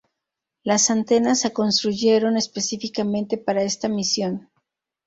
Las antenas se construyeron específicamente para esta misión.